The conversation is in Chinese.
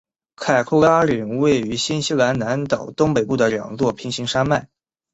凯库拉岭位于新西兰南岛东北部的两座平行山脉。